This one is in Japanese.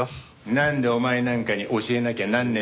なんでお前なんかに教えなきゃなんねえんだよ。